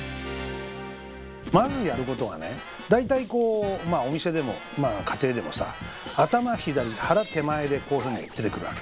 まずやることはね大体こうお店でもまあ家庭でもさ頭左腹手前でこういうふうに出てくるわけ。